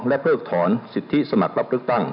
และเพิกถอนสิทธิสมัครรับเลือกตั้ง